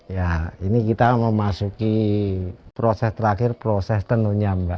ya ini kita mau masuki proses terakhir proses tenunnya mbak